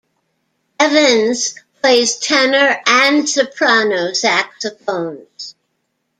Evans plays tenor and soprano saxophones.